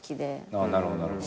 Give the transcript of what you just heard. なるほどなるほど。